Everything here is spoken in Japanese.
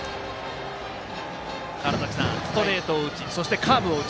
ストレートを打ちカーブを打ち。